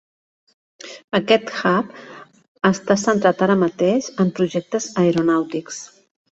Aquest hub està centrat ara mateix en projectes aeronàutics.